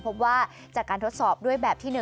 พบว่าจากการทดสอบด้วยแบบที่๑